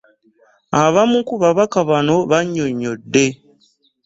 Abamu ku babaka bano bannyonnyodde